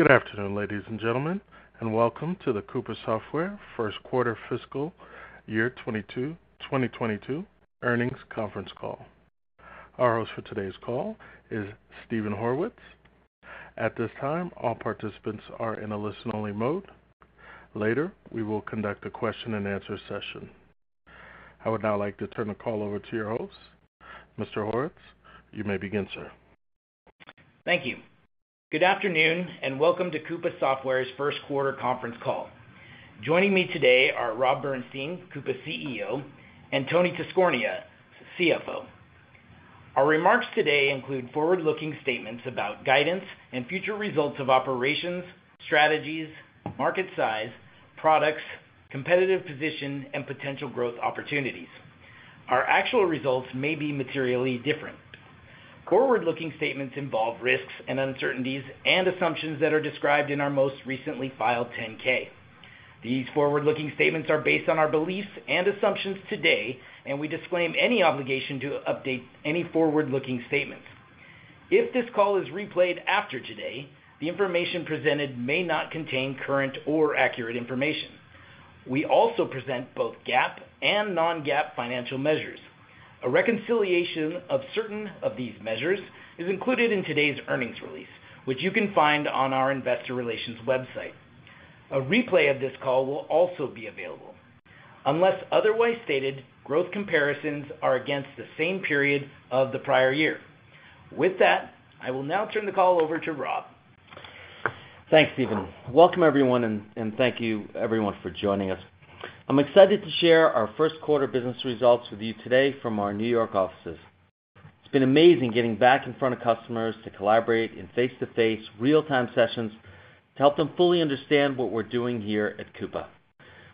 Good afternoon, ladies and gentlemen, and Welcome to The Coupa Software First Quarter Fiscal Year 2022 Earnings Conference Call. Our host for today's call is Steven Horwitz. At this time, all participants are in a listen-only mode. Later, we will conduct a question-and-answer session. I would now like to turn the call over to your host. Mr. Horwitz, you may begin, sir. Thank you. Good afternoon, and Welcome to Coupa Software's First Quarter Conference Call. Joining me today are Rob Bernshteyn, Coupa CEO, and Tony Tiscornia, CFO. Our remarks today include forward-looking statements about guidance and future results of operations, strategies, market size, products, competitive position, and potential growth opportunities. Our actual results may be materially different. Forward-looking statements involve risks and uncertainties and assumptions that are described in our most recently filed 10-K. These forward-looking statements are based on our beliefs and assumptions today, and we disclaim any obligation to update any forward-looking statements. If this call is replayed after today, the information presented may not contain current or accurate information. We also present both GAAP and non-GAAP financial measures. A reconciliation of certain of these measures is included in today's earnings release, which you can find on our investor relations website. A replay of this call will also be available. Unless otherwise stated, growth comparisons are against the same period of the prior year. With that, I will now turn the call over to Rob. Thanks, Steven. Welcome, everyone, and thank you, everyone, for joining us. I'm excited to share our first quarter business results with you today from our New York offices. It's been amazing getting back in front of customers to collaborate in face-to-face real-time sessions to help them fully understand what we're doing here at Coupa.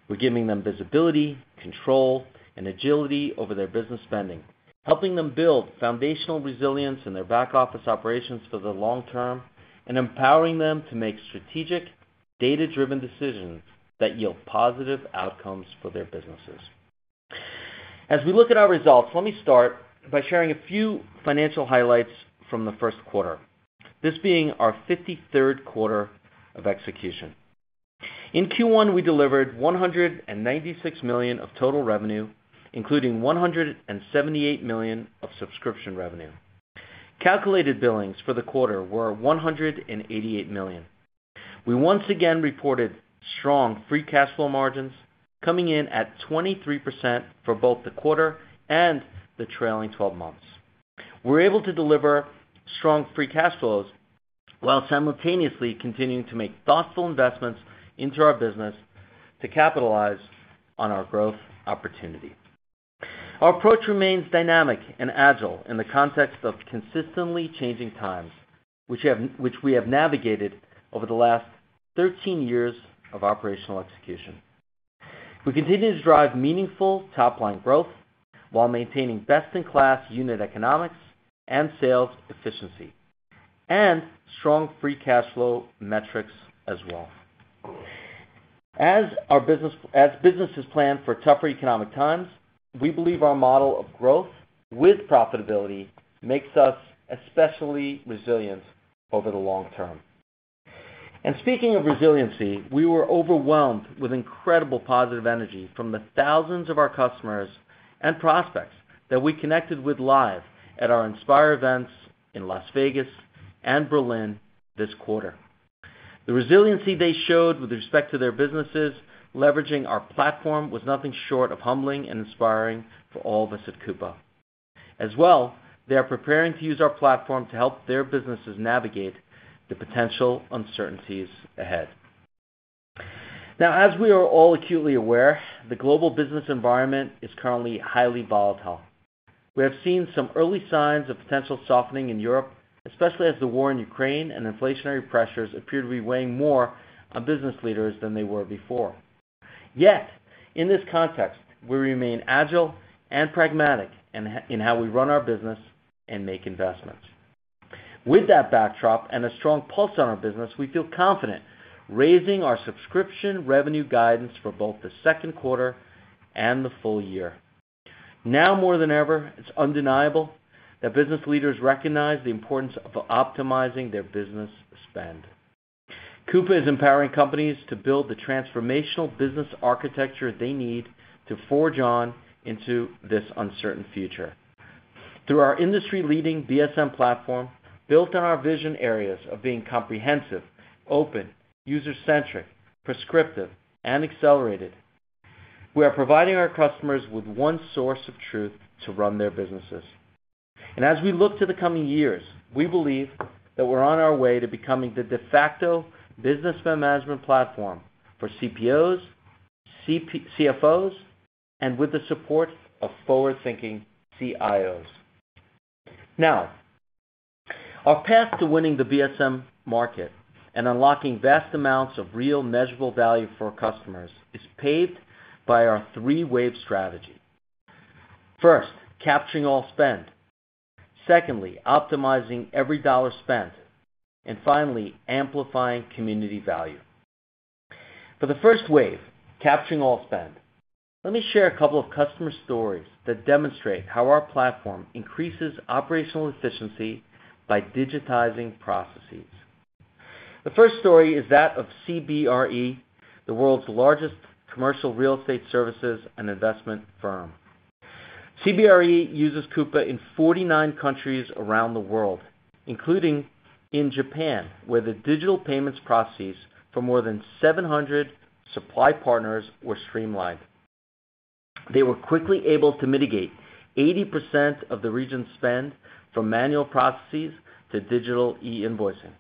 We're giving them visibility, control, and agility over their business spending, helping them build foundational resilience in their back-office operations for the long term, and empowering them to make strategic, data-driven decisions that yield positive outcomes for their businesses. As we look at our results, let me start by sharing a few financial highlights from the first quarter, this being our 53rd quarter of execution. In Q1, we delivered $196 million of total revenue, including $178 million of Subscription revenue. Calculated billings for the quarter were $188 million. We once again reported strong free cash flow margins coming in at 23% for both the quarter and the trailing 12 months. We're able to deliver strong free cash flows while simultaneously continuing to make thoughtful investments into our business to capitalize on our growth opportunity. Our approach remains dynamic and agile in the context of consistently changing times which we have navigated over the last 13 years of operational execution. We continue to drive meaningful top-line growth while maintaining best-in-class unit economics and sales efficiency, and strong free cash flow metrics as well. As businesses plan for tougher economic times, we believe our model of growth with profitability makes us especially resilient over the long term. Speaking of resiliency, we were overwhelmed with incredible positive energy from the 1000s of our customers and prospects that we connected with live at our Inspire events in Las Vegas and Berlin this quarter. The resiliency they showed with respect to their businesses, leveraging our platform, was nothing short of humbling and inspiring for all of us at Coupa. As well, they are preparing to use our platform to help their businesses navigate the potential uncertainties ahead. Now, as we are all acutely aware, the global business environment is currently highly volatile. We have seen some early signs of potential softening in Europe, especially as the war in Ukraine and inflationary pressures appear to be weighing more on business leaders than they were before. Yet, in this context, we remain agile and pragmatic in how we run our business and make investments. With that backdrop and a strong pulse on our business, we feel confident raising our Subscription revenue guidance for both the second quarter and the full year. Now more than ever, it's undeniable that business leaders recognize the importance of optimizing their business spend. Coupa is empowering companies to build the transformational business architecture they need to forge on into this uncertain future. Through our industry-leading BSM platform, built on our vision areas of being comprehensive, open, user-centric, prescriptive, and accelerated, we are providing our customers with one source of truth to run their businesses. As we look to the coming years, we believe that we're on our way to becoming the de facto business management platform for CPOs, CFOs, and with the support of forward-thinking CIOs. Now, our path to winning the BSM market and unlocking vast amounts of real measurable value for our customers is paved by our Three-Wave Strategy. First, capturing all spend. Secondly, optimizing every dollar spent. Finally, amplifying community value. For the first wave, capturing all spend. Let me share a couple of customer stories that demonstrate how our platform increases operational efficiency by digitizing processes. The first story is that of CBRE, the world's largest commercial real estate services and investment firm. CBRE uses Coupa in 49 countries around the world, including in Japan, where the digital payments processes for more than 700 supply partners were streamlined. They were quickly able to mitigate 80% of the region's spend from manual processes to digital e-invoicing.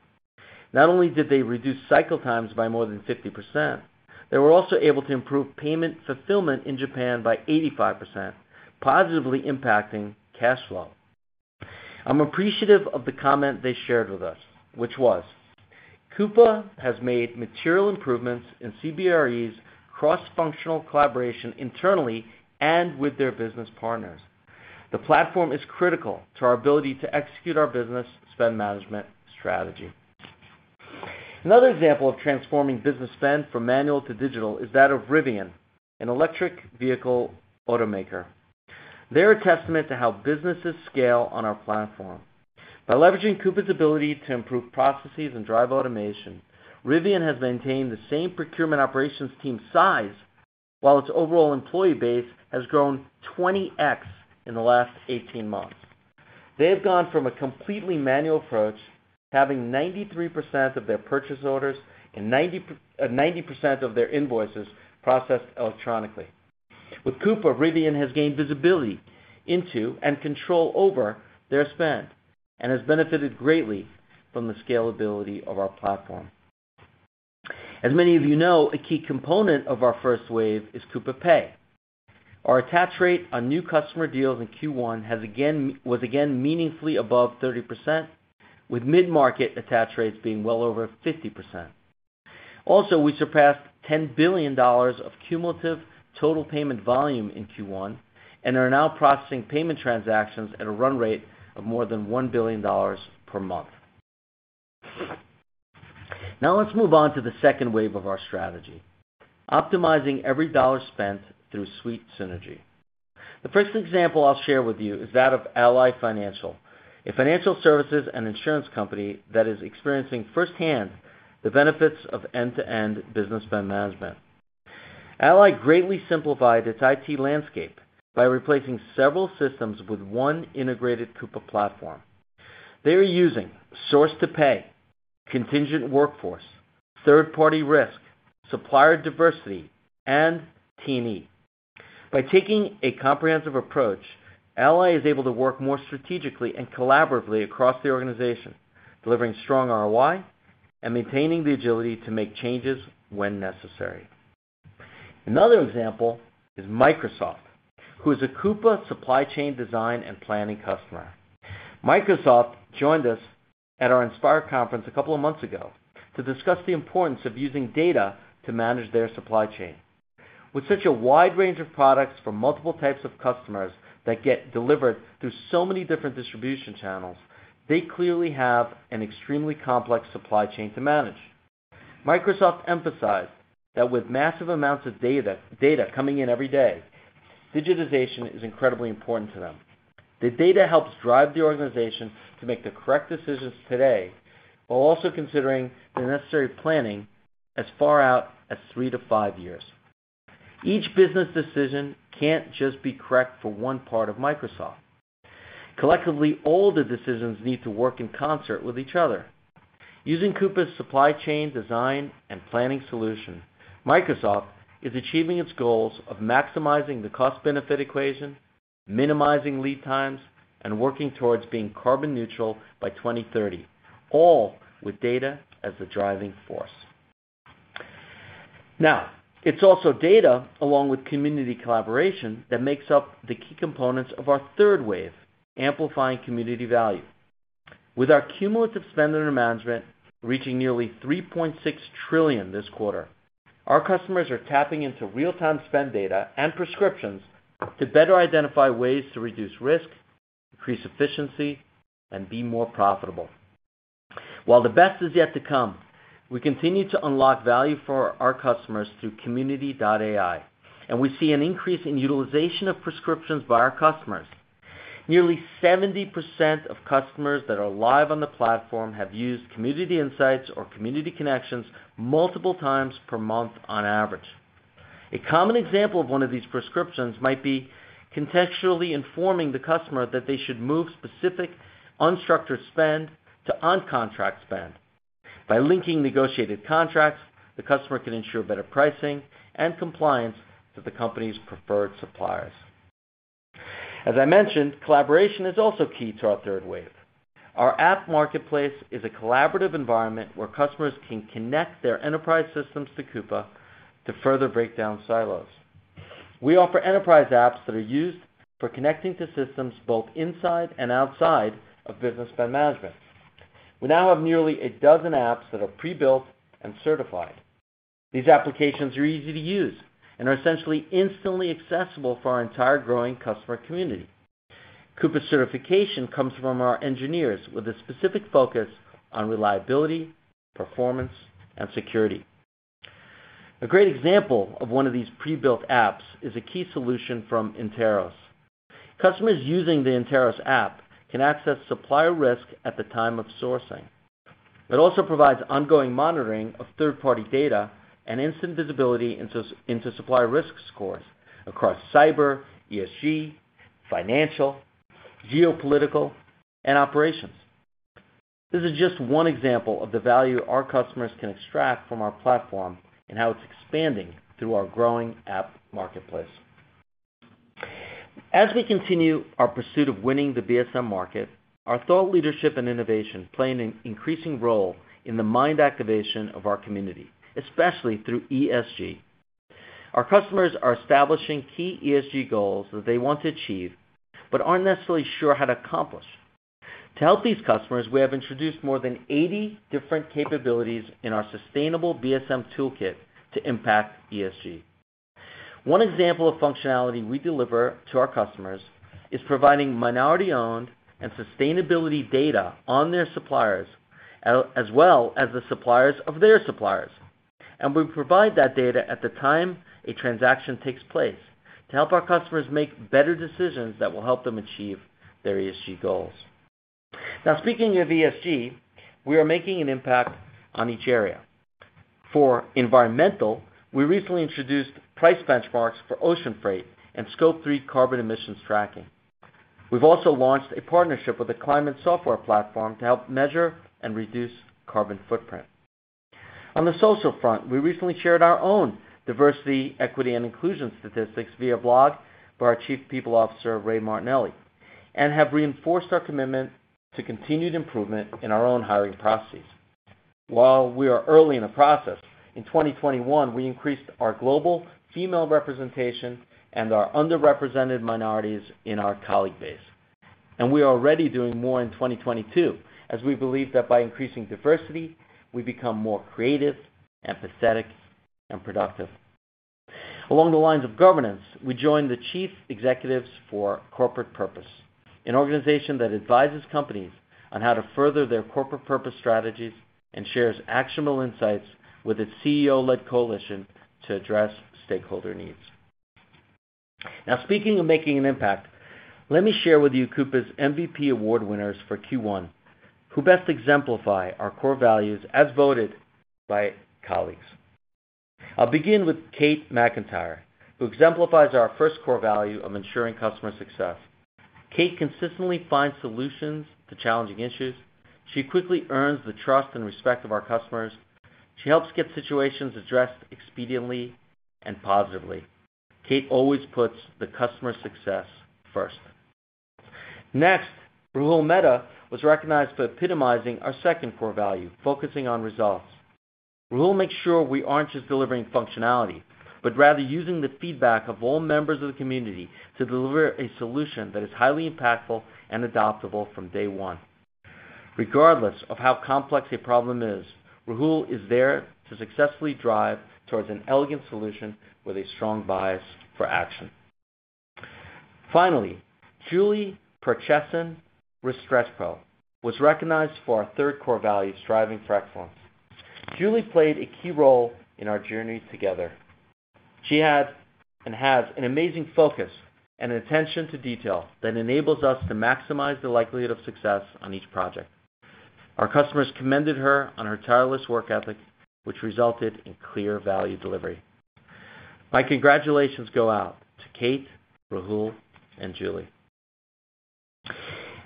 Not only did they reduce cycle times by more than 50%, they were also able to improve payment fulfillment in Japan by 85%, positively impacting cash flow. I'm appreciative of the comment they shared with us, which was, "Coupa has made material improvements in CBRE's cross-functional collaboration internally and with their business partners. The platform is critical to our ability to execute our business spend management strategy." Another example of transforming business spend from manual to digital is that of Rivian, an electric vehicle automaker. They're a testament to how businesses scale on our platform. By leveraging Coupa's ability to improve processes and drive automation, Rivian has maintained the same procurement operations team size while its overall employee base has grown 20x in the last 18 months. They have gone from a completely manual approach, having 93% of their purchase orders and 90% of their invoices processed electronically. With Coupa, Rivian has gained visibility into and control over their spend and has benefited greatly from the scalability of our platform. As many of you know, a key component of our first wave is Coupa Pay. Our attach rate on new customer deals in Q1 was again meaningfully above 30%, with mid-market attach rates being well over 50%. Also, we surpassed $10 billion of cumulative total payment volume in Q1 and are now processing payment transactions at a run rate of more than $1 billion per month. Now let's move on to the second wave of our strategy, optimizing every dollar spent through suite synergy. The first example I'll share with you is that of Ally Financial, a financial services and insurance company that is experiencing firsthand the benefits of end-to-end business spend management. Ally greatly simplified its IT landscape by replacing several systems with one integrated Coupa platform. They are using source to pay, contingent workforce, third-party risk, supplier diversity, and T&E. By taking a comprehensive approach, Ally is able to work more strategically and collaboratively across the organization, delivering strong ROI and maintaining the agility to make changes when necessary. Another example is Microsoft, who is a Coupa supply chain design and planning customer. Microsoft joined us at our Inspire conference a couple of months ago to discuss the importance of using data to manage their supply chain. With such a wide range of products for multiple types of customers that get delivered through so many different distribution channels, they clearly have an extremely complex supply chain to manage. Microsoft emphasized that with massive amounts of data coming in every day, digitization is incredibly important to them. The data helps drive the organization to make the correct decisions today, while also considering the necessary planning as far out as three to five years. Each business decision can't just be correct for one part of Microsoft. Collectively, all the decisions need to work in concert with each other. Using Coupa's supply chain design and planning solution, Microsoft is achieving its goals of maximizing the cost benefit equation, minimizing lead times, and working towards being carbon neutral by 2030, all with data as the driving force. Now, it's also data along with community collaboration that makes up the key components of our third wave, amplifying community value. With our cumulative spend under management reaching nearly $3.6 trillion this quarter, our customers are tapping into real-time spend data and prescriptions to better identify ways to reduce risk, increase efficiency, and be more profitable. While the best is yet to come, we continue to unlock value for our customers through Community.ai, and we see an increase in utilization of prescriptions by our customers. Nearly 70% of customers that are live on the platform have used community insights or community connections multiple times per month on average. A common example of one of these prescriptions might be contextually informing the customer that they should move specific unstructured spend to on-contract spend. By linking negotiated contracts, the customer can ensure better pricing and compliance to the company's preferred suppliers. As I mentioned, collaboration is also key to our third wave. Our App Marketplace is a collaborative environment where customers can connect their enterprise systems to Coupa to further break down silos. We offer enterprise apps that are used for connecting to systems both inside and outside of business spend management. We now have nearly a dozen apps that are pre-built and certified. These applications are easy to use and are essentially instantly accessible for our entire growing customer community. Coupa's certification comes from our engineers with a specific focus on reliability, performance, and security. A great example of one of these pre-built apps is a key solution from Interos. Customers using the Interos app can access supplier risk at the time of sourcing. It provides ongoing monitoring of third-party data and instant visibility into supplier risk scores across cyber, ESG, financial, geopolitical, and operations. This is just one example of the value our customers can extract from our platform and how it's expanding through our growing app marketplace. As we continue our pursuit of winning the BSM market, our thought leadership and innovation play an increasing role in the mind activation of our community, especially through ESG. Our customers are establishing key ESG goals that they want to achieve but aren't necessarily sure how to accomplish. To help these customers, we have introduced more than 80 different capabilities in our sustainable BSM toolkit to impact ESG. One example of functionality we deliver to our customers is providing minority-owned and sustainability data on their suppliers, as well as the suppliers of their suppliers. We provide that data at the time a transaction takes place to help our customers make better decisions that will help them achieve their ESG goals. Now, speaking of ESG, we are making an impact on each area. For environmental, we recently introduced price benchmarks for Ocean Freight and Scope 3 carbon emissions tracking. We've also launched a partnership with a Climate Software Platform to help measure and reduce carbon footprint. On the social front, we recently shared our own diversity, equity, and inclusion statistics via blog by our Chief People Officer, Ray Martinelli, and have reinforced our commitment to continued improvement in our own hiring processes. While we are early in the process, in 2021, we increased our global female representation and our underrepresented minorities in our colleague base. We are already doing more in 2022, as we believe that by increasing diversity, we become more creative, empathetic, and productive. Along the lines of governance, we joined the Chief Executives for Corporate Purpose, an organization that advises companies on how to further their corporate purpose strategies and shares actionable insights with its CEO-led coalition to address stakeholder needs. Now, speaking of making an impact, let me share with you Coupa's MVP award winners for Q1, who best exemplify our core values as voted by colleagues. I'll begin with Kate McIntyre, who exemplifies our first core value of ensuring customer success. Kate consistently finds solutions to challenging issues. She quickly earns the trust and respect of our customers. She helps get situations addressed expediently and positively. Kate always puts the customer's success first. Next, Rahul Mehta was recognized for epitomizing our second core value, focusing on results. Rahul makes sure we aren't just delivering functionality, but rather using the feedback of all members of the community to deliver a solution that is highly impactful and adoptable from day one. Regardless of how complex a problem is, Rahul is there to successfully drive towards an elegant solution with a strong bias for action. Finally, Julie Percheson-Restrepo was recognized for our third core value, striving for excellence. Julie played a key role in our journey together. She had and has an amazing focus and attention to detail that enables us to maximize the likelihood of success on each project. Our customers commended her on her tireless work ethic, which resulted in clear value delivery. My congratulations go out to Kate, Rahul, and Julie.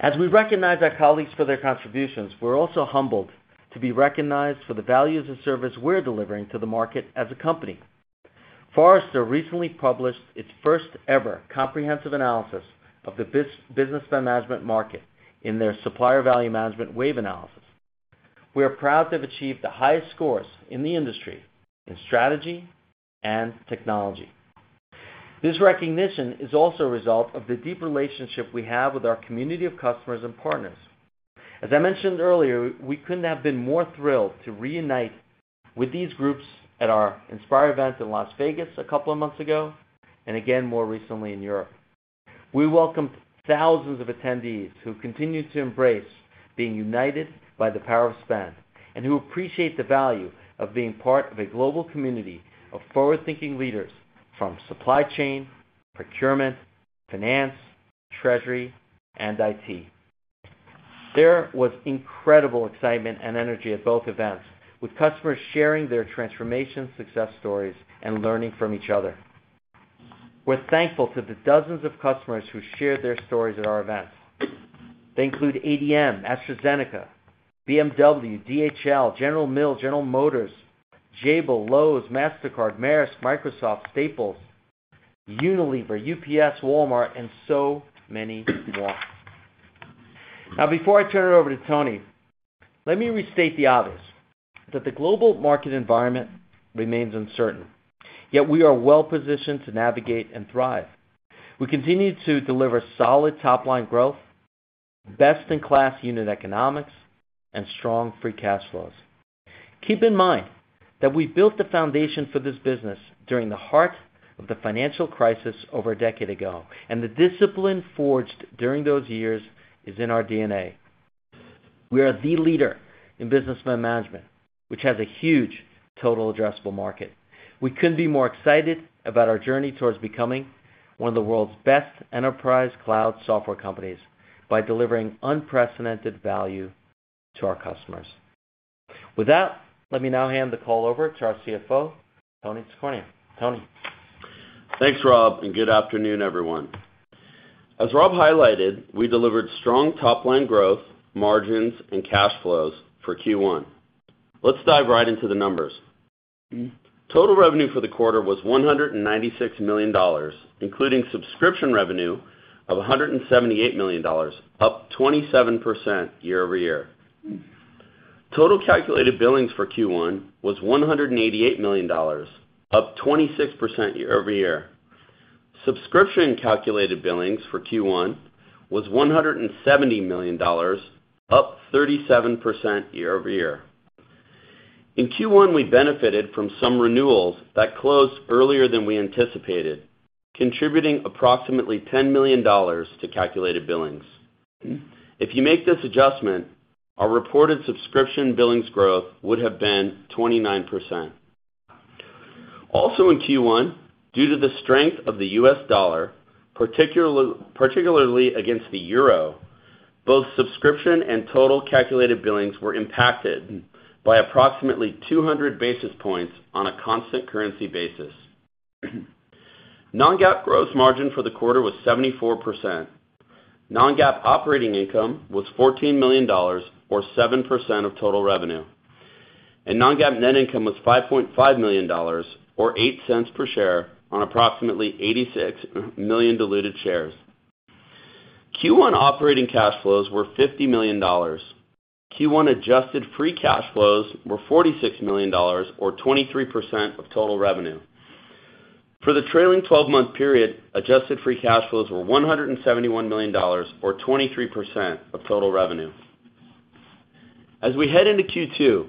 As we recognize our colleagues for their contributions, we're also humbled to be recognized for the values and service we're delivering to the market as a company. Forrester recently published its first-ever comprehensive analysis of the business spend management market in their Supplier Value Management Wave analysis. We are proud to have achieved the highest scores in the industry in strategy and technology. This recognition is also a result of the deep relationship we have with our community of customers and partners. As I mentioned earlier, we couldn't have been more thrilled to reunite with these groups at our Inspire event in Las Vegas a couple of months ago, and again, more recently in Europe. We welcomed 1000s of attendees who continue to embrace being united by the power of spend and who appreciate the value of being part of a global community of forward-thinking leaders from supply chain, procurement, finance, treasury, and IT. There was incredible excitement and energy at both events, with customers sharing their transformation success stories and learning from each other. We're thankful to the dozens of customers who shared their stories at our events. They include ADM, AstraZeneca, BMW, DHL, General Mills, General Motors, Jabil, Lowe's, Mastercard, Maersk, Microsoft, Staples, Unilever, UPS, Walmart, and so many more. Now, before I turn it over to Tony, let me restate the obvious, that the global market environment remains uncertain, yet we are well-positioned to navigate and thrive. We continue to deliver solid top-line growth. Best-in-class unit economics and strong free cash flows. Keep in mind that we built the foundation for this business during the heart of the financial crisis over a decade ago, and the discipline forged during those years is in our DNA. We are the leader in business management, which has a huge total addressable market. We couldn't be more excited about our journey towards becoming one of the world's best enterprise cloud software companies by delivering unprecedented value to our customers. With that, let me now hand the call over to our CFO, Tony Tiscornia. Tony. Thanks, Rob, and good afternoon, everyone. As Rob highlighted, we delivered strong top-line growth, margins, and cash flows for Q1. Let's dive right into the numbers. Total revenue for the quarter was $196 million, including Subscription revenue of $178 million, up 27% year-over-year. Total calculated billings for Q1 was $188 million, up 26% year-over-year. Subscription calculated billings for Q1 was $170 million, up 37% year-over-year. In Q1, we benefited from some renewals that closed earlier than we anticipated, contributing approximately $10 million to calculated billings. If you make this adjustment, our reported Subscription billings growth would have been 29%. Also in Q1, due to the strength of the U.S. dollar, particularly against the euro, both Subscription and total calculated billings were impacted by approximately 200 basis points on a constant currency basis. Non-GAAP gross margin for the quarter was 74%. Non-GAAP operating income was $14 million or 7% of total revenue. Non-GAAP net income was $5.5 million or $0.08 per share on approximately 86 million diluted shares. Q1 operating cash flows were $50 million. Q1 adjusted free cash flows were $46 million or 23% of total revenue. For the trailing 12-month period, adjusted free cash flows were $171 million or 23% of total revenue. As we head into Q2,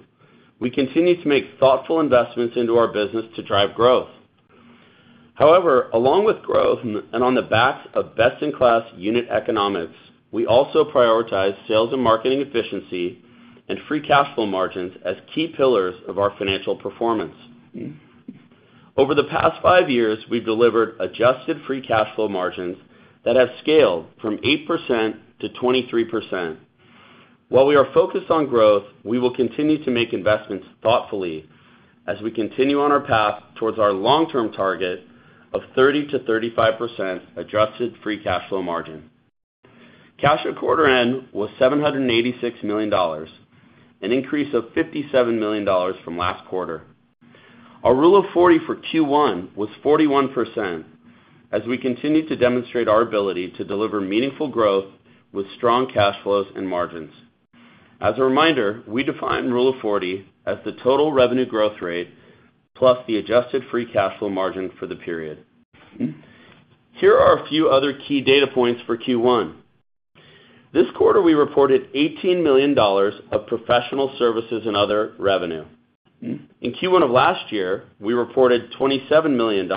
we continue to make thoughtful investments into our business to drive growth. However, along with growth and on the backs of best-in-class unit economics, we also prioritize sales and marketing efficiency and free cash flow margins as key pillars of our financial performance. Over the past five years, we've delivered adjusted free cash flow margins that have scaled from 8%-23%. While we are focused on growth, we will continue to make investments thoughtfully as we continue on our path towards our long-term target of 30%-35% adjusted free cash flow margin. Cash at quarter end was $786 million, an increase of $57 million from last quarter. Our Rule of 40 for Q1 was 41% as we continue to demonstrate our ability to deliver meaningful growth with strong cash flows and margins. As a reminder, we define Rule of 40 as the total revenue growth rate plus the adjusted free cash flow margin for the period. Here are a few other key data points for Q1. This quarter, we reported $18 million of Professional Services and other revenue. In Q1 of last year, we reported $27 million.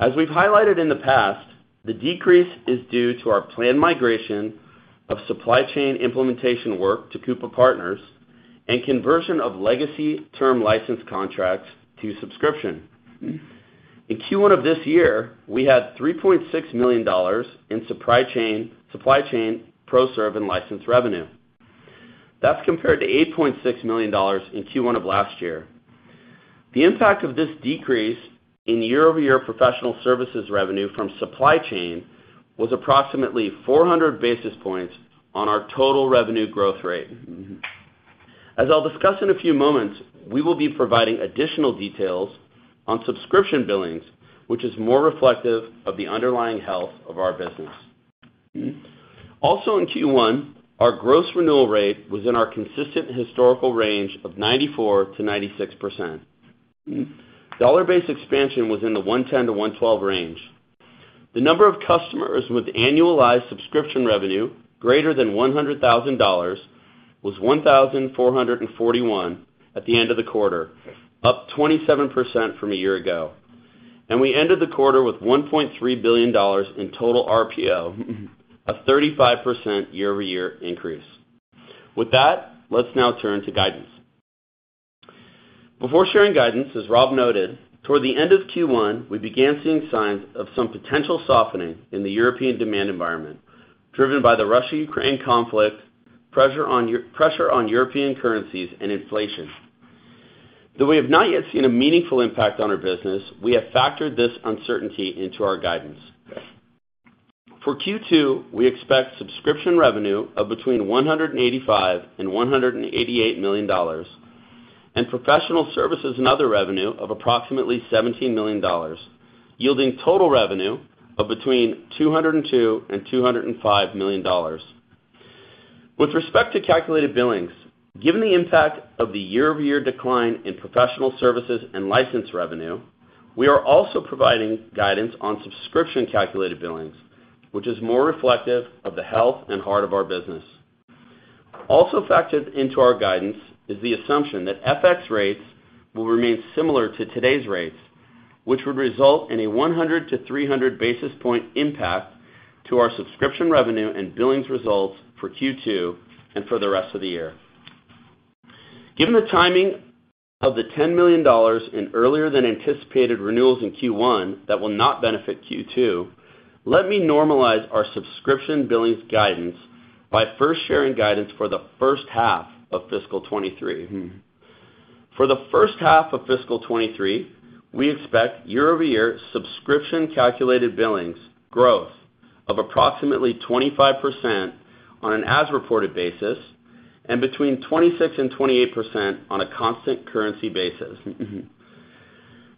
As we've highlighted in the past, the decrease is due to our planned migration of supply chain implementation work to Coupa partners and conversion of legacy term license contracts to Subscription. In Q1 of this year, we had $3.6 million in supply chain Professional Services and license revenue. That's compared to $8.6 million in Q1 of last year. The impact of this decrease in year-over-year Professional Services revenue from supply chain was approximately 400 basis points on our total revenue growth rate. As I'll discuss in a few moments, we will be providing additional details on Subscription billings, which is more reflective of the underlying health of our business. Also in Q1, our gross renewal rate was in our consistent historical range of 94%-96%. Dollar-based expansion was in the 110%-112% range. The number of customers with annualized Subscription revenue greater than $100,000 was 1,441 at the end of the quarter, up 27% from a year ago. We ended the quarter with $1.3 billion in total RPO, a 35% year-over-year increase. With that, let's now turn to guidance. Before sharing guidance, as Rob noted, toward the end of Q1, we began seeing signs of some potential softening in the European demand environment, driven by the Russia-Ukraine conflict, pressure on European currencies, and inflation. Though we have not yet seen a meaningful impact on our business, we have factored this uncertainty into our guidance. For Q2, we expect Subscription revenue of between $185 million and $188 million, and Professional Services and other revenue of approximately $17 million, yielding total revenue of between $202 million and $205 million. With respect to calculated billings, given the impact of the year-over-year decline in Professional Services and license revenue, we are also providing guidance on Subscription calculated billings, which is more reflective of the health and heart of our business. Also factored into our guidance is the assumption that FX rates will remain similar to today's rates, which would result in a 100-300 basis point impact to our Subscription revenue and billings results for Q2 and for the rest of the year. Given the timing of the $10 million in earlier than anticipated renewals in Q1 that will not benefit Q2, let me normalize our Subscription billings guidance by first sharing guidance for the first half of fiscal 2023. For the first half of fiscal 2023, we expect year-over-year Subscription calculated billings growth of approximately 25% on an as-reported basis and between 26%-28% on a constant currency basis.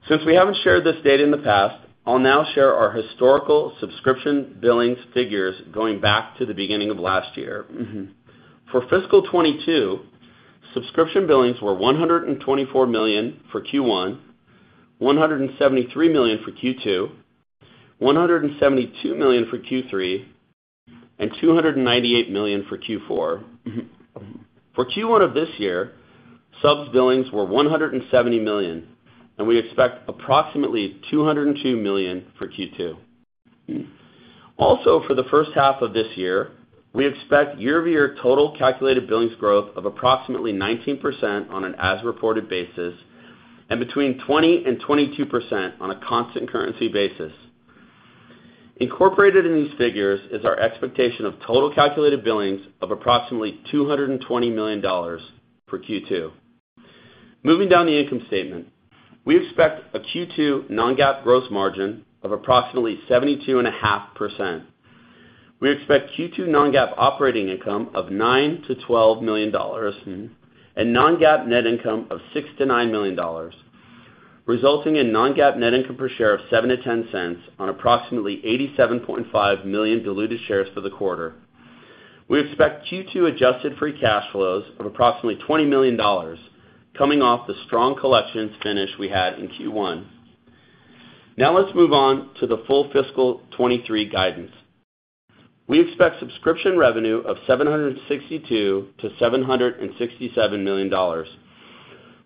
Since we haven't shared this data in the past, I'll now share our historical Subscription billings figures going back to the beginning of last year. For fiscal 2022, Subscription billings were $124 million for Q1, $173 million for Q2, $172 million for Q3, and $298 million for Q4. For Q1 of this year, subs billings were $170 million, and we expect approximately $202 million for Q2. Also, for the first half of this year, we expect year-over-year total calculated billings growth of approximately 19% on an as-reported basis and between 20% and 22% on a constant currency basis. Incorporated in these figures is our expectation of total calculated billings of approximately $220 million for Q2. Moving down the income statement, we expect a Q2 non-GAAP gross margin of approximately 72.5%. We expect Q2 non-GAAP operating income of $9 million-$12 million and non-GAAP net income of $6 million-$9 million, resulting in non-GAAP net income per share of $0.07-$0.10 on approximately 87.5 million diluted shares for the quarter. We expect Q2 adjusted free cash flows of approximately $20 million coming off the strong collections finish we had in Q1. Now let's move on to the full fiscal 2023 guidance. We expect Subscription revenue of $762 million-$767 million.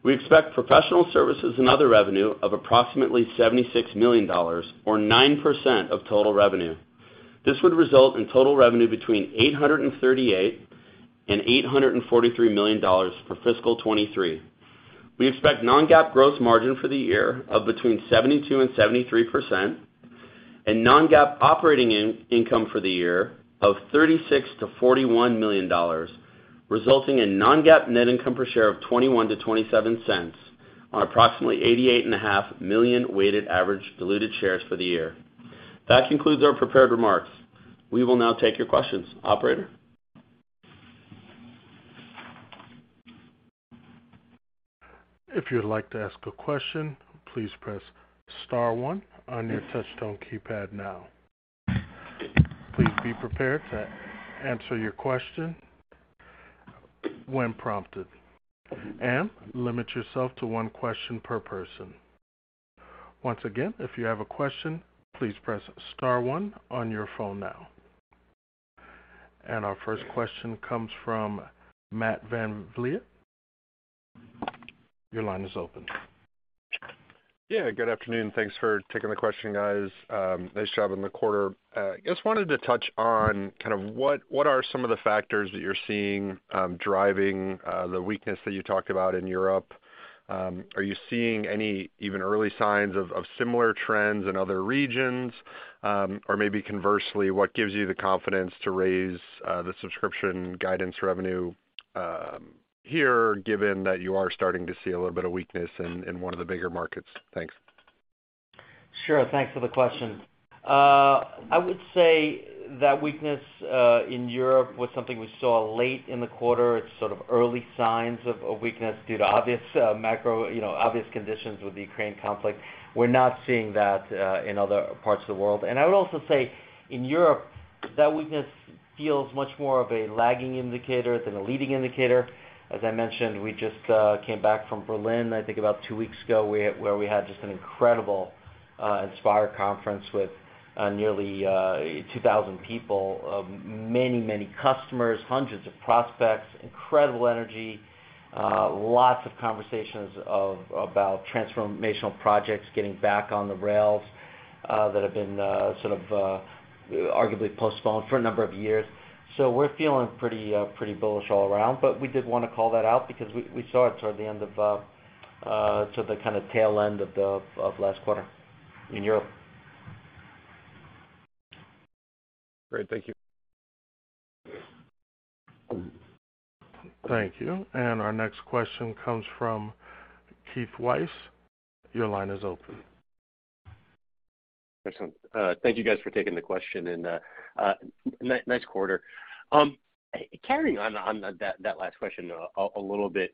We expect Professional Services and other revenue of approximately $76 million or 9% of total revenue. This would result in total revenue between $838 million and $843 million for fiscal 2023. We expect non-GAAP gross margin for the year of between 72% and 73% and non-GAAP operating income for the year of $36 million-$41 million, resulting in non-GAAP net income per share of $0.21-$0.27 on approximately 88.5 million weighted average diluted shares for the year. That concludes our prepared remarks. We will now take your questions. Operator? If you'd like to ask a question, please press star one on your touch tone keypad now. Please be prepared to answer your question when prompted, and limit yourself to one question per person. Once again, if you have a question, please press star one on your phone now. Our first question comes from Matt VanVliet. Your line is open. Yeah, good afternoon. Thanks for taking the question, guys. Nice job in the quarter. Just wanted to touch on kind of what are some of the factors that you're seeing driving the weakness that you talked about in Europe? Are you seeing any even early signs of similar trends in other regions? Or maybe conversely, what gives you the confidence to raise the Subscription guidance revenue here, given that you are starting to see a little bit of weakness in one of the bigger markets? Thanks. Sure. Thanks for the question. I would say that weakness in Europe was something we saw late in the quarter. It's sort of early signs of a weakness due to obvious macro, you know, obvious conditions with the Ukraine conflict. We're not seeing that in other parts of the world. I would also say in Europe, that weakness feels much more of a lagging indicator than a leading indicator. As I mentioned, we just came back from Berlin, I think about two weeks ago, where we had just an incredible Inspire conference with nearly 2,000 people, many, many customers, 100s of prospects, incredible energy, lots of conversations about transformational projects getting back on the rails, that have been sort of arguably postponed for a number of years. We're feeling pretty bullish all around. But we did wanna call that out because we saw it to the kinda tail end of last quarter in Europe. Great. Thank you. Thank you. Our next question comes from Keith Weiss. Your line is open. Excellent. Thank you guys for taking the question and, nice quarter. Carrying on that last question a little bit,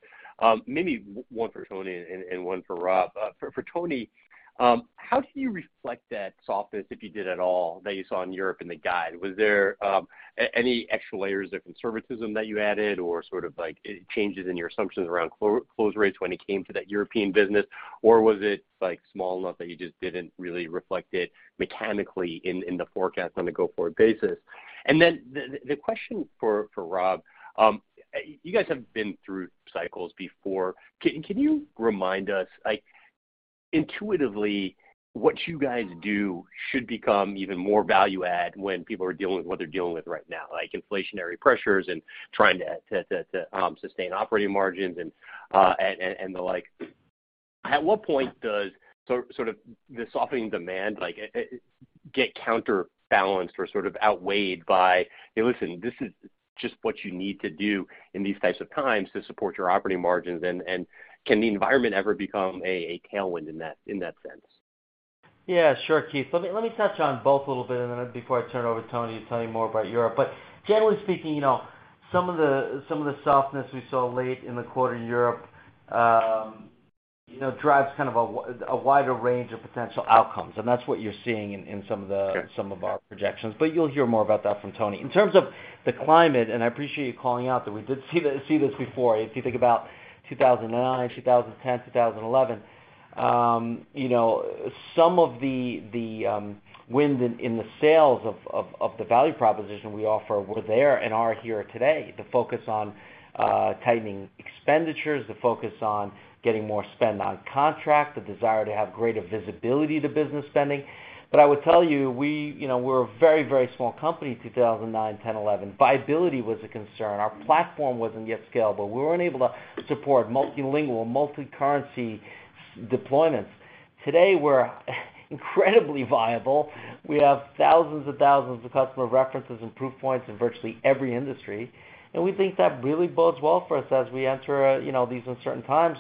maybe one for Tony and one for Rob. For Tony, how do you reflect that softness, if you did at all, that you saw in Europe in the guide? Was there any extra layers of conservatism that you added or sort of like changes in your assumptions around close rates when it came to that European business? Or was it, like, small enough that you just didn't really reflect it mechanically in the forecast on a go-forward basis? The question for Rob, you guys have been through cycles before. Can you remind us, like, intuitively, what you guys do should become even more value add when people are dealing with what they're dealing with right now, like inflationary pressures and trying to sustain operating margins and the like. At what point does sort of the softening demand, like, get counterbalanced or sort of outweighed by, "Hey, listen, this is just what you need to do in these types of times to support your operating margins." Can the environment ever become a tailwind in that sense? Yeah, sure, Keith. Let me touch on both a little bit and then before I turn it over to Tony, he'll tell you more about Europe. Generally speaking, you know, some of the softness we saw late in the quarter in Europe, you know, drives kind of a wider range of potential outcomes, and that's what you're seeing in some of the- Okay... some of our projections. You'll hear more about that from Tony. In terms of the climate, I appreciate you calling out that we did see this before. If you think about 2009, 2010, 2011, you know, some of the wind in the sails of the value proposition we offer were there and are here today. The focus on tightening expenditures, the focus on getting more spend on contract, the desire to have greater visibility to business spending. I would tell you, we, you know, we're a very small company in 2009, 2010, 2011. Viability was a concern. Our platform wasn't yet scalable. We weren't able to support multilingual, multicurrency deployments. Today, we're incredibly viable. We have 1000s of 1000s of customer references and proof points in virtually every industry, and we think that really bodes well for us as we enter, you know, these uncertain times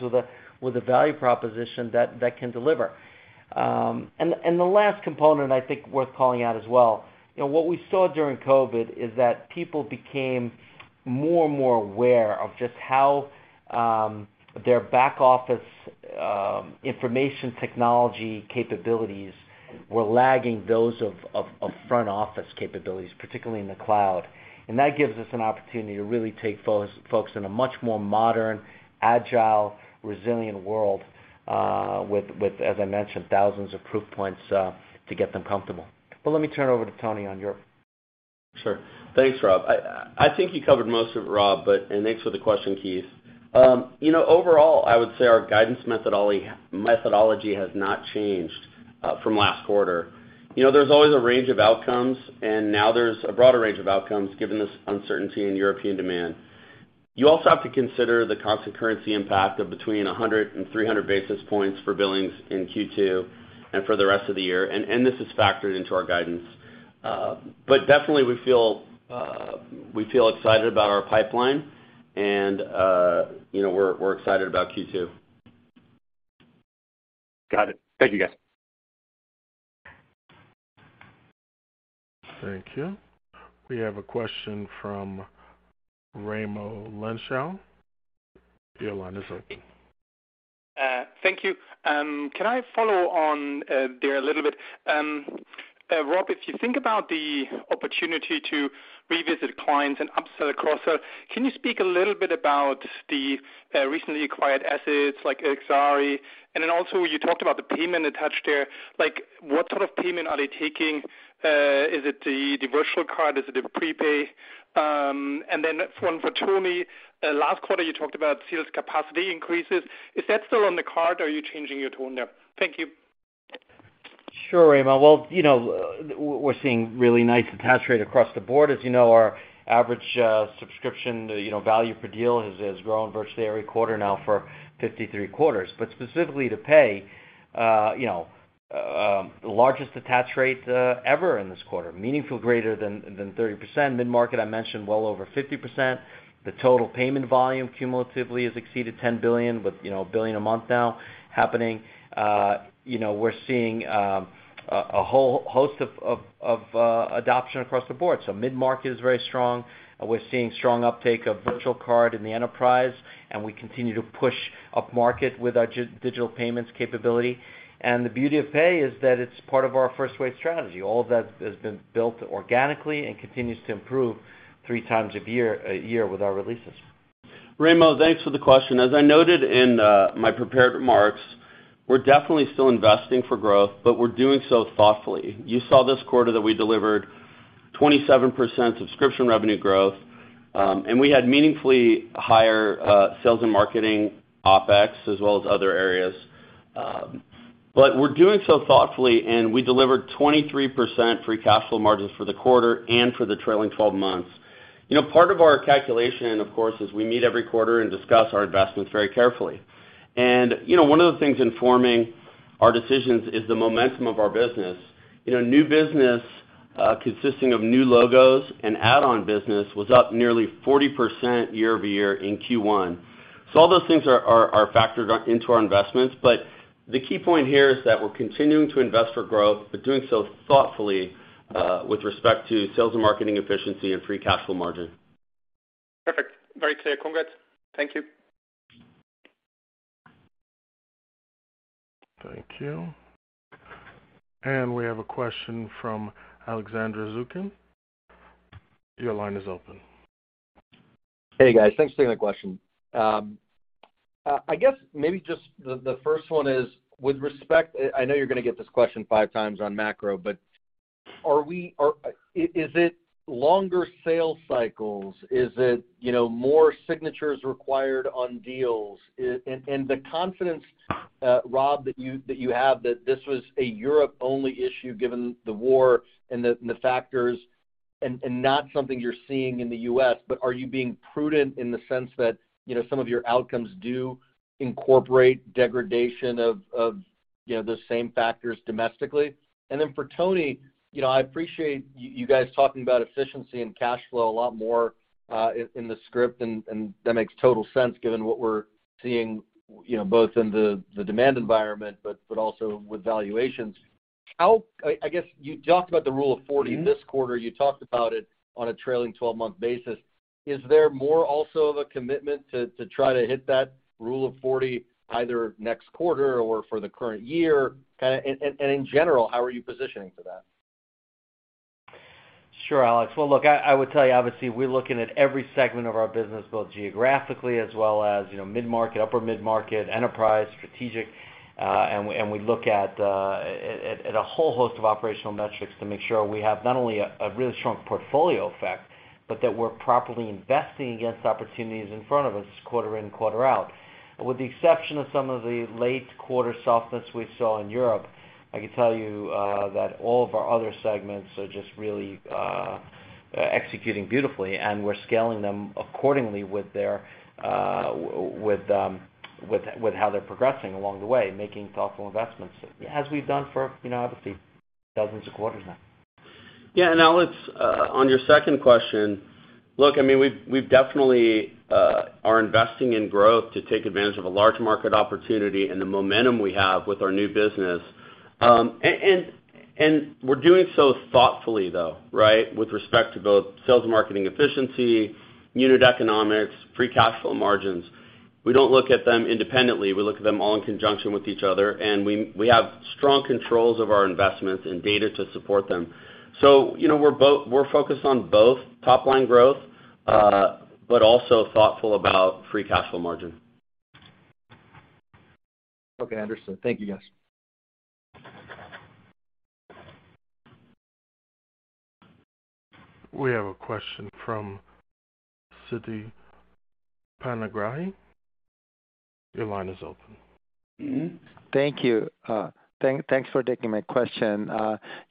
with a value proposition that can deliver. The last component I think worth calling out as well, you know, what we saw during COVID is that people became more and more aware of just how their back office information technology capabilities were lagging those of front office capabilities, particularly in the cloud. That gives us an opportunity to really take folks in a much more modern, agile, resilient world, with, as I mentioned, 1000s of proof points to get them comfortable. Let me turn over to Tony on Europe. Sure. Thanks, Rob. I think you covered most of it, Rob, but. Thanks for the question, Keith. You know, overall, I would say our guidance methodology has not changed from last quarter. You know, there's always a range of outcomes, and now there's a broader range of outcomes given this uncertainty in European demand. You also have to consider the constant currency impact of between 100 and 300 basis points for billings in Q2 and for the rest of the year, and this is factored into our guidance. But definitely we feel excited about our pipeline, and you know, we're excited about Q2. Got it. Thank you, guys. Thank you. We have a question from Raimo Lenschow. Your line is open. Thank you. Can I follow on there a little bit? Rob, if you think about the opportunity to revisit clients and upsell across, can you speak a little bit about the recently acquired assets like Aquiire? Also, you talked about the payment attached there, like what sort of payment are they taking? Is it the virtual card? Is it a prepay? One for Tony. Last quarter, you talked about sales capacity increases. Is that still on the card, or are you changing your tone there? Thank you. Sure, Raimo. We're seeing really nice attach rate across the board. As you know, our average Subscription value per deal has grown virtually every quarter now for 53 quarters. Specifically to pay, the largest attach rate ever in this quarter, meaningfully greater than 30%. Mid-market, I mentioned well over 50%. The total payment volume cumulatively has exceeded $10 billion with $1 billion a month now happening. We're seeing a whole host of adoption across the board. Mid-market is very strong, and we're seeing strong uptake of virtual card in the enterprise, and we continue to push upmarket with our digital payments capability. The beauty of pay is that it's part of our first wave strategy. All of that has been built organically and continues to improve three times a year with our releases. Raimo, thanks for the question. As I noted in my prepared remarks, we're definitely still investing for growth, but we're doing so thoughtfully. You saw this quarter that we delivered 27% Subscription revenue growth, and we had meaningfully higher sales and marketing OpEx as well as other areas. but we're doing so thoughtfully, and we delivered 23% free cash flow margins for the quarter and for the trailing 12 months. You know, part of our calculation, of course, is we meet every quarter and discuss our investments very carefully. You know, one of the things informing our decisions is the momentum of our business. You know, new business consisting of new logos and add-on business was up nearly 40% year-over-year in Q1. All those things are factored into our investments, but the key point here is that we're continuing to invest for growth, but doing so thoughtfully, with respect to sales and marketing efficiency and free cash flow margin. Perfect. Very clear. Congrats. Thank you. Thank you. We have a question from Alexander Zukin. Your line is open. Hey, guys. Thanks for taking the question. I guess maybe just the first one is with respect. I know you're gonna get this question five times on macro, but are we or is it longer sales cycles? Is it, you know, more signatures required on deals? And the confidence, Rob, that you have that this was a Europe-only issue given the war and the factors and not something you're seeing in the U.S., but are you being prudent in the sense that, you know, some of your outcomes do incorporate degradation of, you know, those same factors domestically? For Tony, you know, I appreciate you guys talking about efficiency and cash flow a lot more in the script, and that makes total sense given what we're seeing, you know, both in the demand environment, but also with valuations. I guess you talked about the Rule of 40 this quarter. You talked about it on a trailing 12-month basis. Is there more also of a commitment to try to hit that Rule of 40 either next quarter or for the current year? Kind of and in general, how are you positioning for that? Sure, Alex. Well, look, I would tell you, obviously, we're looking at every segment of our business, both geographically as well as, you know, mid-market, upper mid-market, enterprise, strategic, and we look at a whole host of operational metrics to make sure we have not only a really strong portfolio effect, but that we're properly investing against opportunities in front of us quarter in, quarter out. With the exception of some of the late quarter softness we saw in Europe, I can tell you that all of our other segments are just really executing beautifully, and we're scaling them accordingly with how they're progressing along the way, making thoughtful investments as we've done for, you know, obviously dozens of quarters now. Yeah, Alex, on your second question, look, I mean, we've definitely are investing in growth to take advantage of a large market opportunity and the momentum we have with our new business. We're doing so thoughtfully, though, right? With respect to both sales and marketing efficiency, unit economics, free cash flow margins. We don't look at them independently. We look at them all in conjunction with each other, and we have strong controls of our investments and data to support them. You know, we're both we're focused on both top line growth, but also thoughtful about free cash flow margin. Okay, understood. Thank you, guys. We have a question from Siti Panigrahi. Your line is open. Thank you. Thanks for taking my question.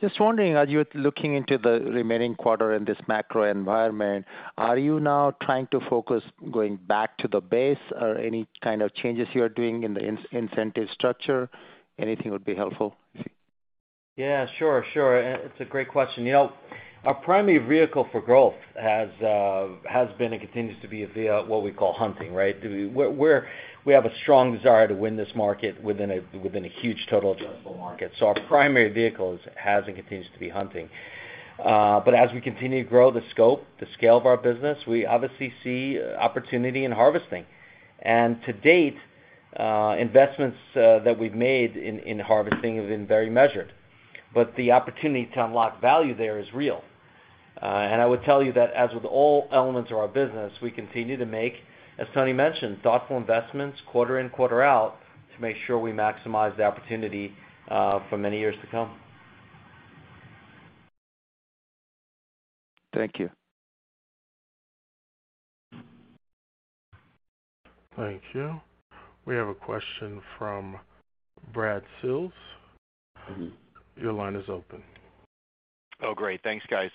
Just wondering, as you're looking into the remaining quarter in this macro environment, are you now trying to focus going back to the base or any kind of changes you are doing in the incentive structure? Anything would be helpful. Yeah, sure. Sure. It's a great question. You know, our primary vehicle for growth has been and continues to be via what we call hunting, right? We have a strong desire to win this market within a huge total addressable market. Our primary vehicle is, has and continues to be hunting. As we continue to grow the scope, the scale of our business, we obviously see opportunity in harvesting. To date, investments that we've made in harvesting have been very measured. The opportunity to unlock value there is real. I would tell you that as with all elements of our business, we continue to make, as Tony mentioned, thoughtful investments quarter in, quarter out, to make sure we maximize the opportunity, for many years to come. Thank you. Thank you. We have a question from Brad Sills. Your line is open. Oh, great. Thanks, guys.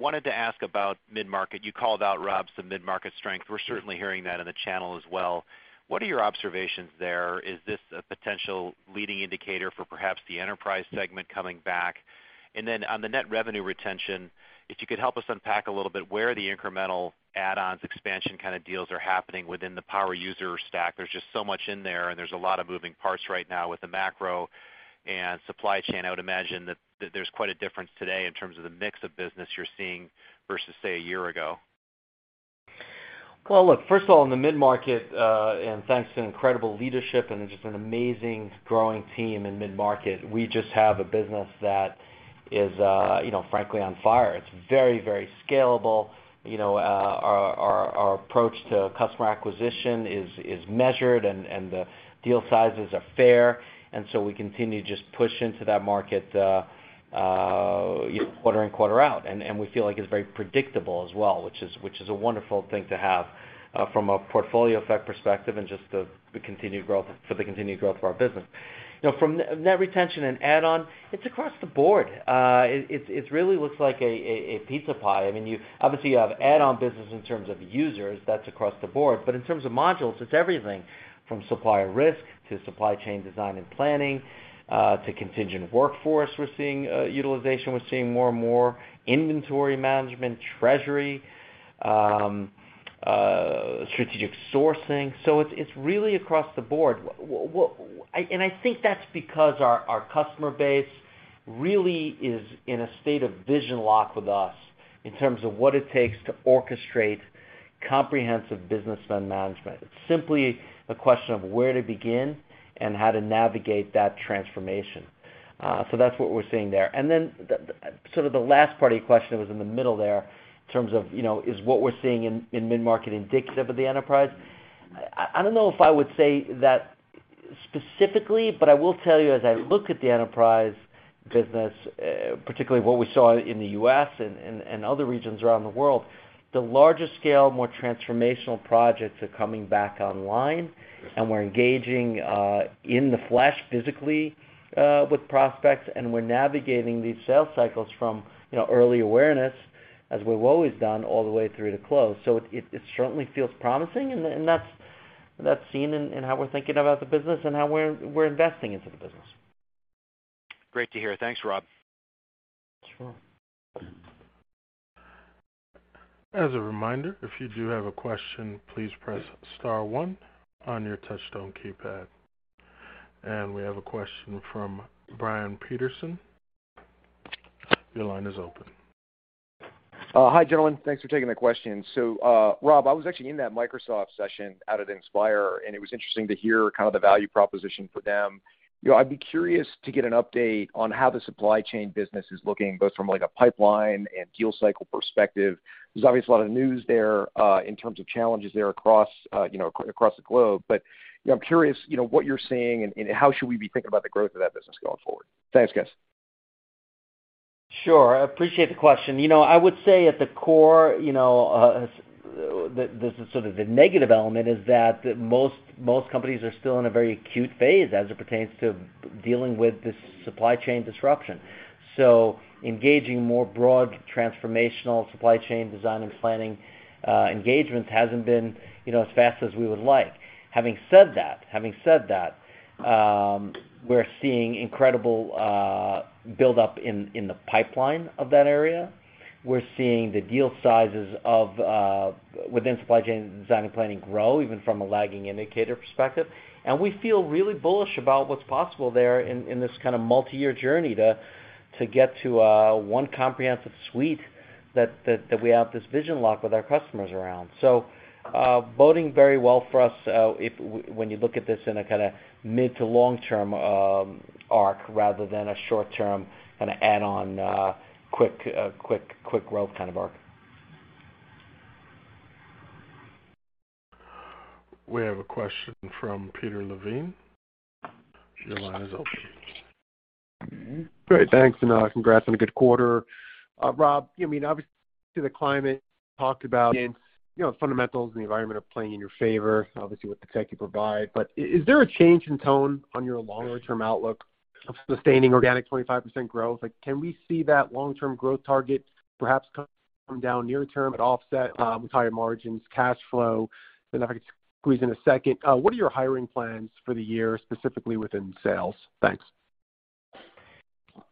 Wanted to ask about mid-market. You called out, Rob, some mid-market strength. We're certainly hearing that in the channel as well. What are your observations there? Is this a potential leading indicator for perhaps the enterprise segment coming back? On the net revenue retention, if you could help us unpack a little bit where the incremental add-ons expansion kinda deals are happening within the power user stack. There's just so much in there, and there's a lot of moving parts right now with the macro and supply chain. I would imagine that there's quite a difference today in terms of the mix of business you're seeing vs, say, a year ago. Well, look, first of all, in the mid-market, and thanks to incredible leadership and just an amazing growing team in mid-market, we just have a business that is, you know, frankly, on fire. It's very, very scalable. You know, our approach to customer acquisition is measured and the deal sizes are fair, and so we continue to just push into that market, you know, quarter in, quarter out. We feel like it's very predictable as well, which is a wonderful thing to have, from a portfolio effect perspective and just the continued growth for the continued growth of our business. You know, from net retention and add-on, it's across the board. It really looks like a pizza pie. I mean, you obviously have add-on business in terms of users, that's across the board. But in terms of modules, it's everything from supplier risk to supply chain design and planning, to contingent workforce, we're seeing utilization, we're seeing more and more inventory management, treasury, strategic sourcing. So it's really across the board. I think that's because our customer base really is in a state of vision lock with us in terms of what it takes to orchestrate comprehensive business spend management. It's simply a question of where to begin and how to navigate that transformation. So that's what we're seeing there. Sort of the last part of your question was in the middle there in terms of, you know, is what we're seeing in mid-market indicative of the enterprise. I don't know if I would say that specifically, but I will tell you as I look at the enterprise business, particularly what we saw in the U.S. and other regions around the world, the larger scale, more transformational projects are coming back online, and we're engaging in the flesh physically with prospects, and we're navigating these sales cycles from, you know, early awareness as we've always done all the way through to close. It certainly feels promising, and that's seen in how we're thinking about the business and how we're investing into the business. Great to hear. Thanks, Rob. Sure. As a reminder, if you do have a question, please press star one on your touch tone keypad. We have a question from Brian Peterson. Your line is open. Hi, gentlemen. Thanks for taking the question. Rob, I was actually in that Microsoft session out at Inspire, and it was interesting to hear kind of the value proposition for them. You know, I'd be curious to get an update on how the supply chain business is looking, both from like a pipeline and deal cycle perspective. There's obviously a lot of news there, in terms of challenges there across, you know, across the globe. You know, I'm curious, what you're seeing and how should we be thinking about the growth of that business going forward. Thanks, guys. Sure. I appreciate the question. You know, I would say at the core, you know, this is sort of the negative element is that most companies are still in a very acute phase as it pertains to dealing with this supply chain disruption. So engaging more broad transformational supply chain design and planning engagements hasn't been as fast as we would like. Having said that, we're seeing incredible buildup in the pipeline of that area. We're seeing the deal sizes within supply chain design and planning grow even from a lagging indicator perspective. And we feel really bullish about what's possible there in this kind of multi-year journey to get to one comprehensive suite that we have this vision lock with our customers around. Boding very well for us, if when you look at this in a kinda mid- to long-term arc rather than a short-term kinda add-on, quick growth kind of arc. We have a question from Peter Levine. Your line is open. Great. Thanks, and, congrats on a good quarter. Rob, I mean, obviously the climate talked about, you know, fundamentals and the environment are playing in your favor, obviously, with the tech you provide. Is there a change in tone on your longer-term outlook of sustaining organic 25% growth? Like, can we see that long-term growth target perhaps come down near term but offset, with higher margins, cash flow? If I could squeeze in a second, what are your hiring plans for the year, specifically within sales? Thanks.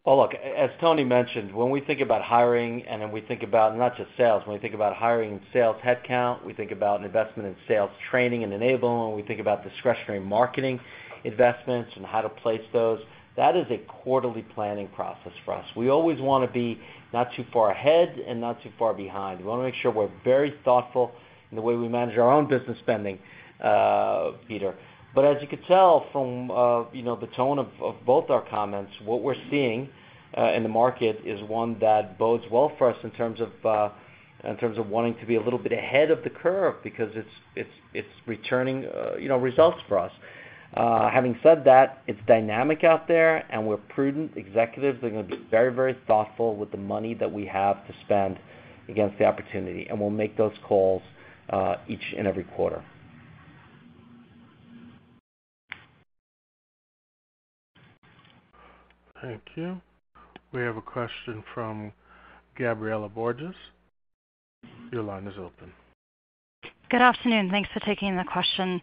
Well, look, as Tony mentioned, when we think about hiring and then we think about not just sales, when we think about hiring sales headcount, we think about an investment in sales training and enabling, we think about discretionary marketing investments and how to place those, that is a quarterly planning process for us. We always wanna be not too far ahead and not too far behind. We wanna make sure we're very thoughtful in the way we manage our own business spending, Peter. As you could tell from, you know, the tone of both our comments, what we're seeing in the market is one that bodes well for us in terms of wanting to be a little bit ahead of the curve because it's returning, you know, results for us. Having said that, it's dynamic out there and we're prudent executives. We're gonna be very, very thoughtful with the money that we have to spend against the opportunity, and we'll make those calls each and every quarter. Thank you. We have a question from Gabriela Borges. Your line is open. Good afternoon. Thanks for taking the question.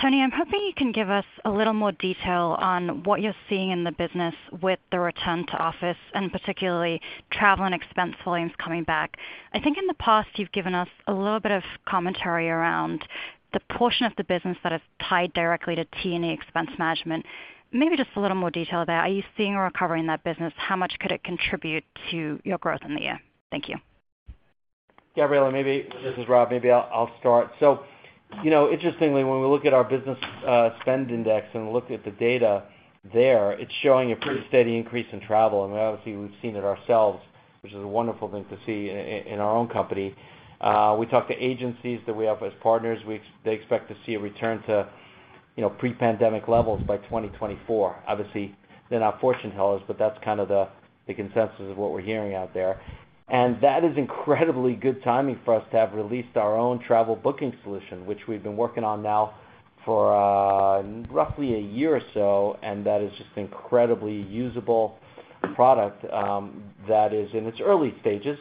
Tony, I'm hoping you can give us a little more detail on what you're seeing in the business with the return to office and particularly travel and expense volumes coming back. I think in the past you've given us a little bit of commentary around the portion of the business that is tied directly to T&E expense management. Maybe just a little more detail there. Are you seeing a recovery in that business? How much could it contribute to your growth in the year? Thank you. Gabriela, this is Rob. Maybe I'll start. You know, interestingly, when we look at our business spend index and look at the data there, it's showing a pretty steady increase in travel. Obviously we've seen it ourselves, which is a wonderful thing to see in our own company. We talk to agencies that we have as partners. They expect to see a return to, you know, pre-pandemic levels by 2024. Obviously, they're not fortune tellers, but that's kind of the consensus of what we're hearing out there. That is incredibly good timing for us to have released our own travel booking solution, which we've been working on now for roughly a year or so, and that is just an incredibly usable product that is in its early stages.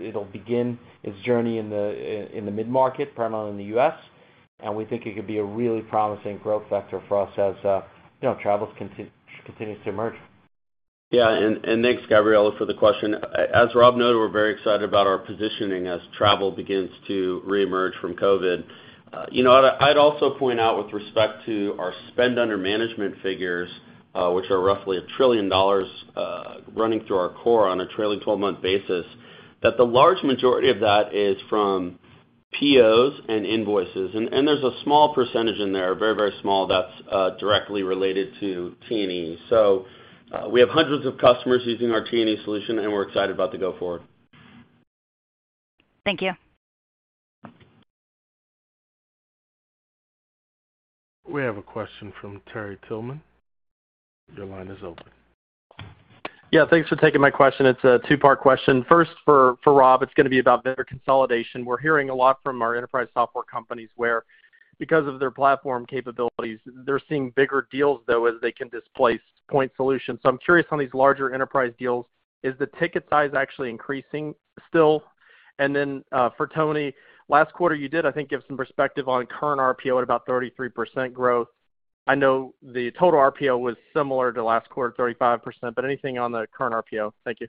It'll begin its journey in the mid-market, primarily in the U.S., and we think it could be a really promising growth vector for us as you know, travels continues to emerge. Yeah. Thanks, Gabriela, for the question. As Rob noted, we're very excited about our positioning as travel begins to reemerge from COVID. I'd also point out with respect to our spend under management figures, which are roughly $1 trillion, running through our core on a trailing 12-month basis, that the large majority of that is from POs and invoices. There's a small % in there, very, very small, that's directly related to T&E. We have hundreds of customers using our T&E solution, and we're excited about the go forward. Thank you. We have a question from Terry Tillman. Your line is open. Yeah, thanks for taking my question. It's a two-part question. First, for Rob, it's gonna be about vendor consolidation. We're hearing a lot from our enterprise software companies where because of their platform capabilities, they're seeing bigger deals though as they can displace point solutions. So I'm curious on these larger enterprise deals, is the ticket size actually increasing still? And then, for Tony, last quarter, you did, I think, give some perspective on current RPO at about 33% growth. I know the total RPO was similar to last quarter, 35%, but anything on the current RPO? Thank you.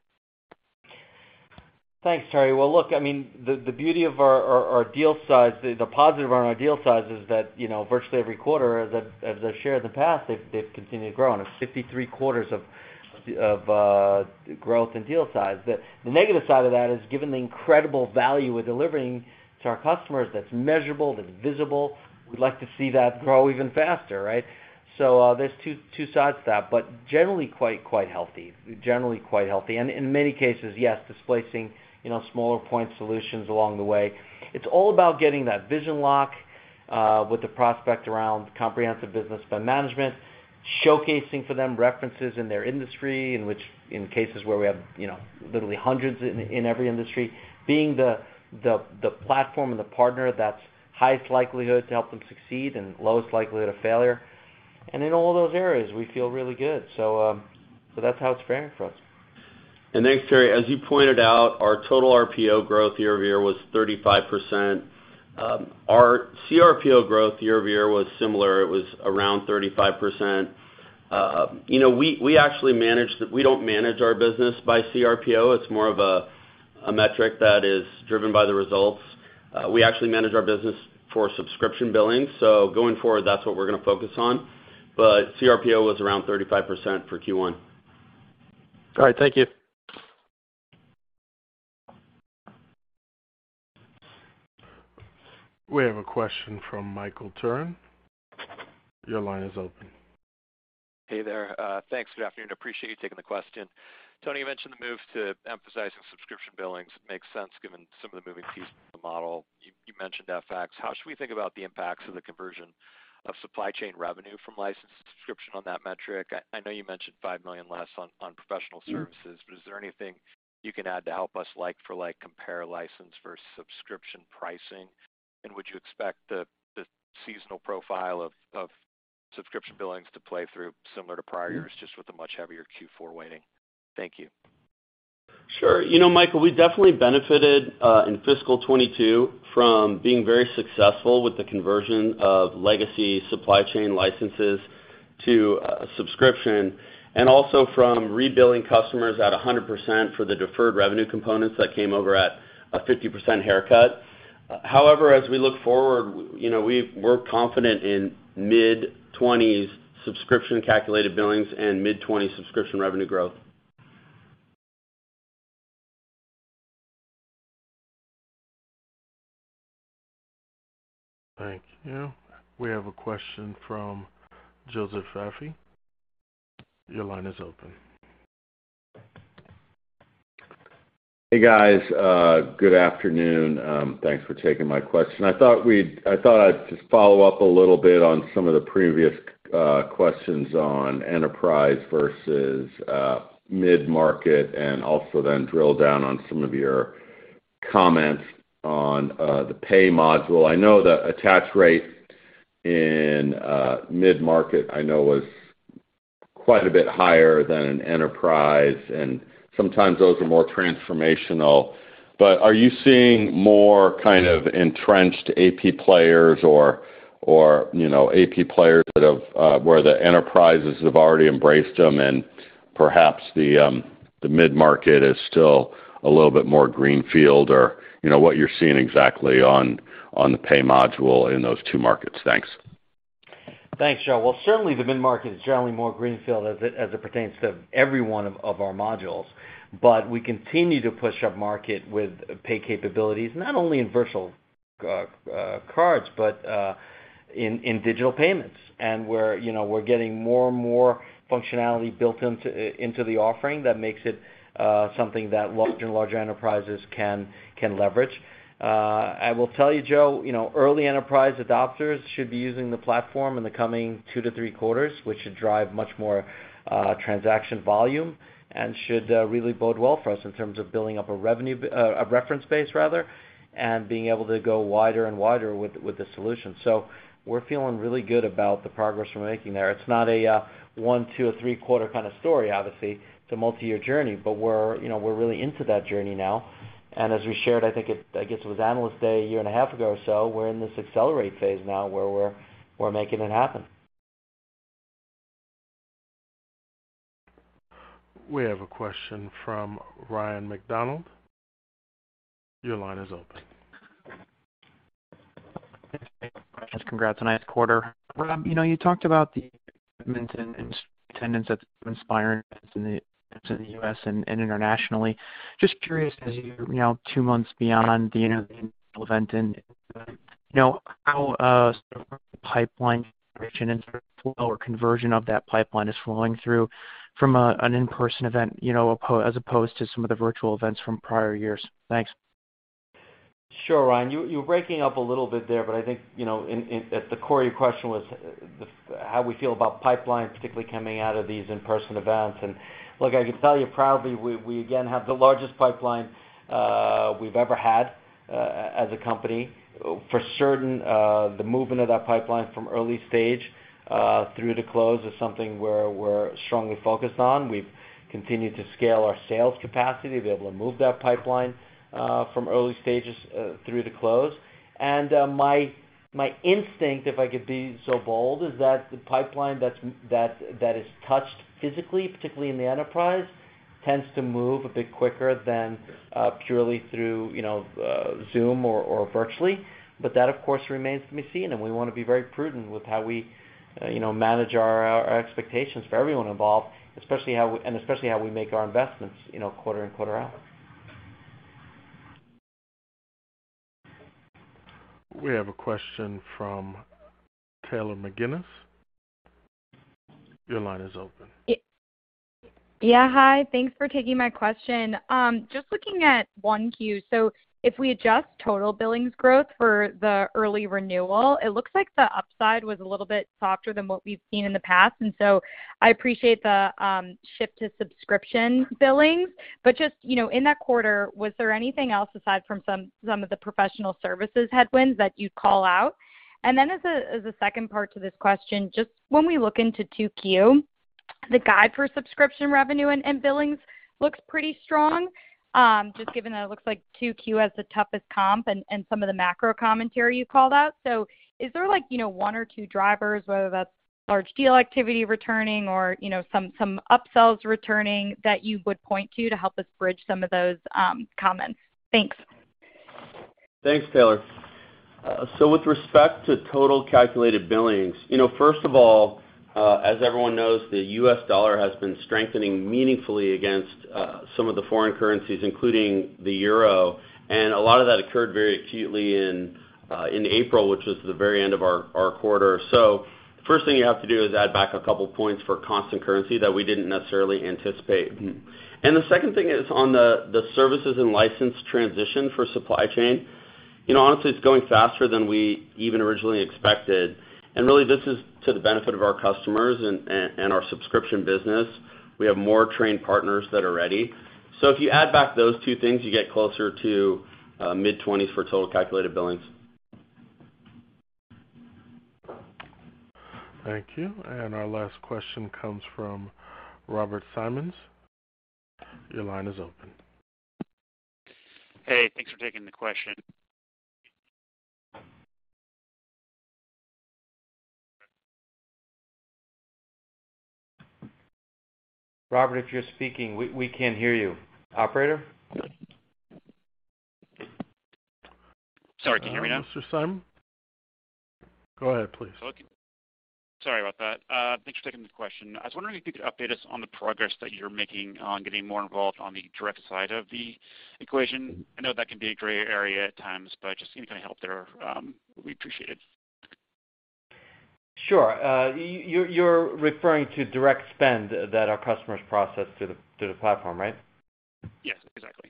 Thanks, Terry. Well, look, I mean, the beauty of our deal size, the positive around our deal size is that, you know, virtually every quarter, as I've shared in the past, they've continued to grow, and it's 53 quarters of growth in deal size. The negative side of that is given the incredible value we're delivering to our customers that's measurable, that's visible, we'd like to see that grow even faster, right? So, there's two sides to that, but generally quite healthy. In many cases, yes, displacing, you know, smaller point solutions along the way. It's all about getting that vision lock with the prospect around comprehensive business spend management, showcasing for them references in their industry, in which in cases where we have, you know, literally hundreds in every industry, being the platform and the partner that's highest likelihood to help them succeed and lowest likelihood of failure. In all those areas, we feel really good. That's how it's faring for us. Thanks, Terry. As you pointed out, our total RPO growth year-over-year was 35%. Our CRPO growth year-over-year was similar. It was around 35%. You know, we don't manage our business by CRPO. It's more of a metric that is driven by the results. We actually manage our business for Subscription billing. Going forward, that's what we're gonna focus on. CRPO was around 35% for Q1. All right. Thank you. We have a question from Michael Turrin. Your line is open. Hey there. Thanks. Good afternoon. Appreciate you taking the question. Tony, you mentioned the move to emphasizing Subscription billings. Makes sense given some of the moving pieces of the model. You mentioned FX. How should we think about the impacts of the conversion of supply chain revenue from license to Subscription on that metric? I know you mentioned $5 million less on Professional Services. But is there anything you can add to help us, like for like, compare license vs Subscription pricing? Would you expect the seasonal profile of Subscription billings to play through similar to prior years, just with a much heavier Q4 weighting? Thank you. Sure. You know, Michael, we definitely benefited in fiscal 2022 from being very successful with the conversion of legacy supply chain licenses to Subscription, and also from rebilling customers at 100% for the deferred revenue components that came over at a 50% haircut. However, as we look forward, you know, we're confident in mid-20s% Subscription calculated billings and mid-20s% Subscription revenue growth. Thank you. We have a question from Joseph Vruwink. Your line is open. Hey, guys. Good afternoon. Thanks for taking my question. I thought I'd just follow up a little bit on some of the previous questions on enterprise vs mid-market, and also then drill down on some of your comments on the pay module. I know the attach rate in mid-market was quite a bit higher than enterprise, and sometimes those are more transformational. But are you seeing more kind of entrenched AP players or you know, AP players that have where the enterprises have already embraced them and perhaps the mid-market is still a little bit more greenfield? Or you know, what you're seeing exactly on the pay module in those two markets? Thanks. Thanks, Joe. Well, certainly the mid-market is generally more greenfield as it pertains to every one of our modules. We continue to push upmarket with pay capabilities, not only in virtual cards, but in digital payments. And we're, you know, getting more and more functionality built into the offering that makes it something that larger and larger enterprises can leverage. I will tell you, Joe, you know, early enterprise adopters should be using the platform in the coming two to three quarters, which should drive much more transaction volume and should really bode well for us in terms of building up a reference base rather, and being able to go wider and wider with the solution. We're feeling really good about the progress we're making there. It's not a one, two, or three-quarter kind of story, obviously. It's a multi-year journey. We're, you know, we're really into that journey now. As we shared, I think it, I guess it was Analyst Day a year and a half ago or so, we're in this accelerate phase now where we're making it happen. We have a question from Ryan MacDonald. Your line is open. Thanks. Congrats on nice quarter. Rob, you know, you talked about the attendance at Inspire events in the US and internationally. Just curious, as you're, you know, two months beyond the, you know, the event and, you know, how sort of pipeline reach and flow or conversion of that pipeline is flowing through from an in-person event, you know, as opposed to some of the virtual events from prior years. Thanks. Sure, Ryan. You're breaking up a little bit there, but I think, you know, at the core of your question was how we feel about pipeline, particularly coming out of these in-person events. Look, I can tell you proudly, we again have the largest pipeline we've ever had as a company. For certain, the movement of that pipeline from early stage through to close is something we're strongly focused on. We've continued to scale our sales capacity to be able to move that pipeline from early stages through to close. My instinct, if I could be so bold, is that the pipeline that is touched physically, particularly in the enterprise, tends to move a bit quicker than purely through, you know, Zoom or virtually. That, of course, remains to be seen, and we wanna be very prudent with how we, you know, manage our expectations for everyone involved, especially how we make our investments, you know, quarter in, quarter out. We have a question from Taylor McGinnis. Your line is open. Yeah, hi. Thanks for taking my question. Just looking at 1Q. If we adjust total billings growth for the early renewal, it looks like the upside was a little bit softer than what we've seen in the past. I appreciate the shift to Subscription billings. Just, you know, in that quarter, was there anything else aside from some of the Professional Services headwinds that you'd call out? Then as a second part to this question, just when we look into 2Q, the guide for Subscription revenue and billings looks pretty strong, just given that it looks like 2Q has the toughest comp and some of the macro commentary you called out. Is there like, you know, one or two drivers, whether that's large deal activity returning or, you know, some upsells returning that you would point to help us bridge some of those comments? Thanks. Thanks, Taylor. With respect to total calculated billings, you know, first of all, as everyone knows, the U.S. dollar has been strengthening meaningfully against some of the foreign currencies, including the euro, and a lot of that occurred very acutely in April, which was the very end of our quarter. The first thing you have to do is add back a couple points for constant currency that we didn't necessarily anticipate. The second thing is on the services and license transition for supply chain. You know, honestly, it's going faster than we even originally expected. Really this is to the benefit of our customers and our Subscription business. We have more trained partners that are ready. If you add back those two things, you get closer to mid-20s for total calculated billings. Thank you. Our last question comes from Robert Simmons. Your line is open. Hey, thanks for taking the question. Robert, if you're speaking, we can't hear you. Operator? Sorry, can you hear me now? Mr. Simmons? Go ahead, please. Sorry about that. Thanks for taking the question. I was wondering if you could update us on the progress that you're making on getting more involved on the direct side of the equation. I know that can be a gray area at times, but just any kind of help there, we appreciate it. Sure. You're referring to direct spend that our customers process through the platform, right? Yes, exactly.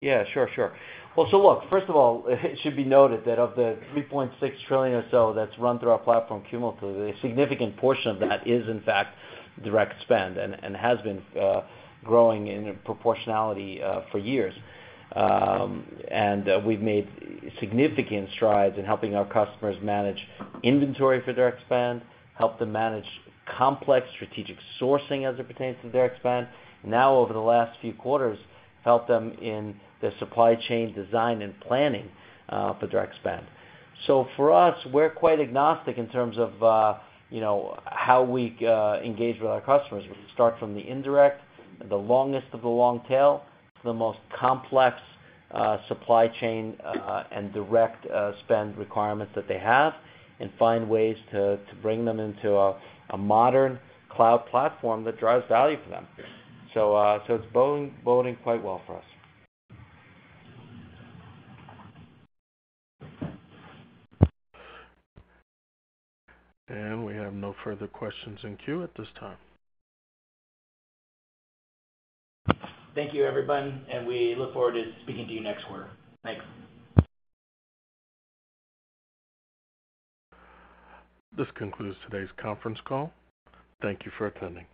Yeah, sure. Well, so look, first of all, it should be noted that of the $3.6 trillion or so that's run through our platform cumulatively, a significant portion of that is in fact direct spend and has been growing in proportionality for years. We've made significant strides in helping our customers manage inventory for direct spend, help them manage complex strategic sourcing as it pertains to direct spend. Now, over the last few quarters, helped them in the supply chain design and planning for direct spend. For us, we're quite agnostic in terms of you know how we engage with our customers. We start from the indirect, the longest of the long tail to the most complex, supply chain, and direct, spend requirements that they have and find ways to bring them into a modern cloud platform that drives value for them. It's boding quite well for us. We have no further questions in queue at this time. Thank you, everyone, and we look forward to speaking to you next quarter. Thanks. This concludes today's conference call. Thank you for attending.